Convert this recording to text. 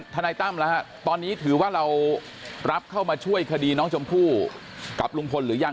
นายตั้มแล้วฮะตอนนี้ถือว่าเรารับเข้ามาช่วยคดีน้องชมพู่กับลุงพลหรือยัง